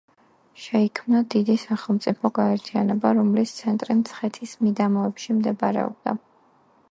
შეიქმნა დიდი სახელმწიფო გაერთიანება, რომლის ცენტრი მცხეთის მიდამოებში მდებარეობდა.